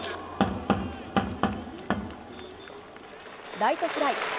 ライトフライ。